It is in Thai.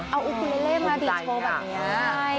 เอาโอคูเรลเลมาดีโชว์แบบนี้